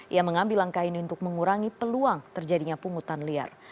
ia mengambil langkah ini untuk mengurangi peluang terjadinya pungutan liar